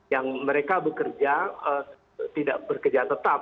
yang mereka bekerja tidak bekerja tetap